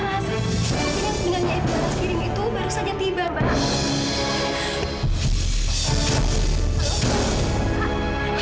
tapi yang sebenarnya ibu aras kirim itu baru saja tiba mbak